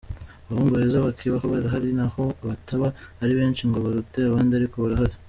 abahungu beza bakibaho; barahari naho bataba ari beshi ngo barute abandi ariko barahari.